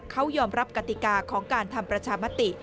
เขายอมรับกติกาของการทำประชามติ